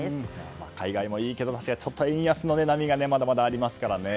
海外もいいけど確かにちょっと円安の波がまだまだありますからね。